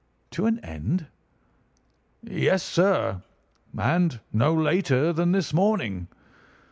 "To an end?" "Yes, sir. And no later than this morning.